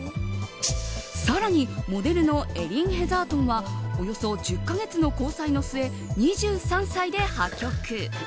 更にモデルのエリン・ヘザートンとはおよそ１０か月の交際の末２３歳で破局。